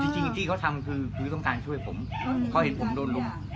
จริงที่เขาทำคือต้องการช่วยผมเขาเห็นผมโดนลุม